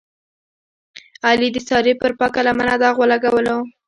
علي د سارې پر پاکه لمنه داغ ولګولو.